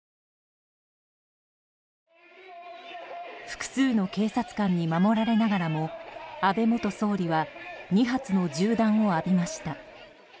複数の警察官に守られながらも安倍元総理は２発の銃弾を浴びました。